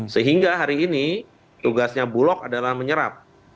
sehingga hari ini tugasnya bulog adalah menyerap